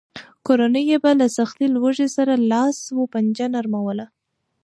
کورنیو به له سختې لوږې سره لاس و پنجه نرموله.